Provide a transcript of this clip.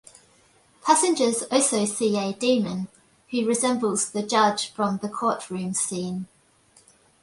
Passengers also see a demon who resembles the Judge from the courtroom scene.